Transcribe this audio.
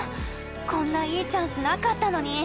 こんないいチャンスなかったのに！